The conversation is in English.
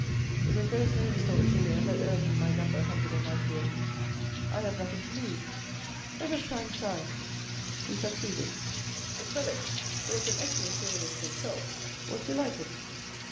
" It was those names," thought Julien, that earned me my number 198. I have nothing to lose. Let us try and shine. He succeeded. The prelate, who was an excellent humanist himself, was delighted.